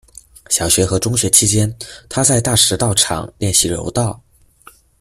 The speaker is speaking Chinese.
小学和中学期间，她在大石道场练习柔道。